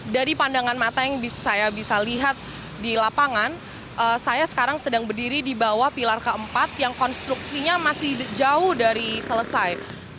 dari pandangan mata yang saya bisa lihat di lapangan saya sekarang sedang berdiri di bawah pilar keempat yang konstruksinya masih jauh dari selesai